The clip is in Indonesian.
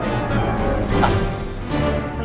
lebih banyak roman